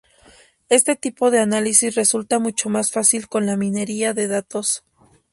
Este tipo de análisis resulta mucho más fácil con la minería de datos.